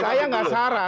saya tidak sarah